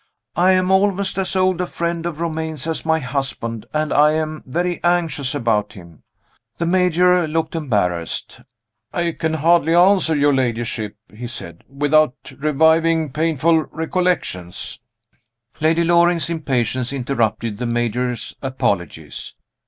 "I am almost as old a friend of Romayne as my husband and I am very anxious about him." The Major looked embarrassed. "I can hardly answer your ladyship," he said, "without reviving painful recollections " Lady Loring's impatience interrupted the Major's apologies.